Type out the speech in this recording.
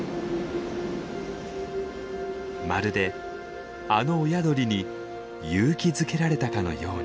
まるであの親鳥に勇気づけられたかのように。